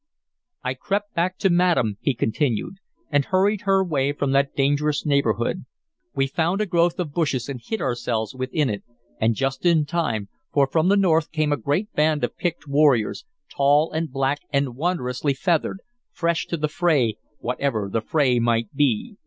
"I crept back to madam," he continued, "and hurried her away from that dangerous neighborhood. We found a growth of bushes and hid ourselves within it, and just in time, for from the north came a great band of picked warriors, tall and black and wondrously feathered, fresh to the fray, whatever the fray might be.